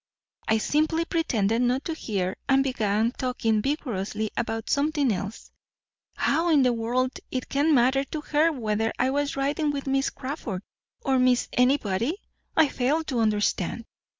I simply pretended not to hear, and began talking vigorously about something else. How in the world it can matter to her whether I was riding with Miss Crawford, or Miss Anybody, I fail to understand."